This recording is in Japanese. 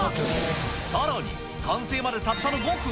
さらに、完成までたったの５分？